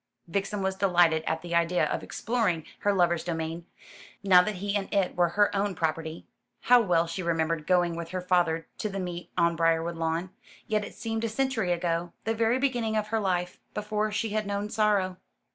Vixen was delighted at the idea of exploring her lover's domain, now that he and it were her own property. How well she remembered going with her father to the meet on Briarwood lawn. Yet it seemed a century ago the very beginning of her life before she had known sorrow.